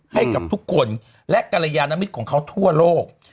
ให้กับทุกคนและกรยานมิตรของเขาทั่วโลก